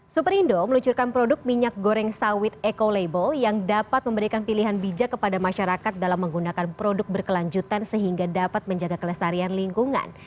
superindo meluncurkan produk minyak goreng sawit eco label yang dapat memberikan pilihan bijak kepada masyarakat dalam menggunakan produk berkelanjutan sehingga dapat menjaga kelestarian lingkungan